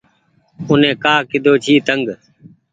تو اوني ڪآ ڪۮو جي تنگ۔